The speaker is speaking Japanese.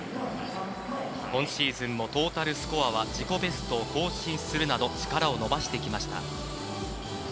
今シーズンもトータルスコアは自己ベストを更新するなど力を伸ばしてきました。